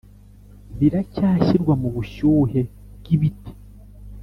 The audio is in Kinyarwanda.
biracyashyirwa mubushyuhe bwibiti.